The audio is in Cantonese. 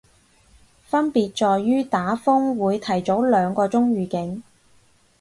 分別在於打風會提早兩個鐘預警